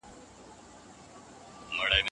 ولي پلان تطبيق نه سو؟